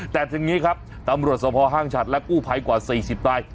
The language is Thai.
แต่ถึงนี้ครับตำรวจสภห้างฉัดและกู้ภัยกว่า๔๐นาย